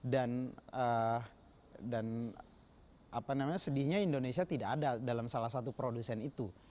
dan sedihnya indonesia tidak ada dalam salah satu produsen itu